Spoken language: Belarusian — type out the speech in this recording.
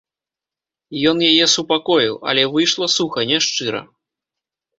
Ён яе супакоіў, але выйшла суха, няшчыра.